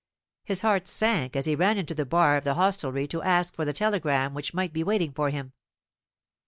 His heart sank as he ran into the bar of the hostelry to ask for the telegram which might be waiting for him.